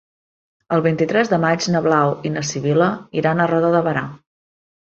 El vint-i-tres de maig na Blau i na Sibil·la iran a Roda de Berà.